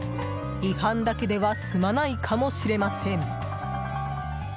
違反だけでは済まないかもしれません。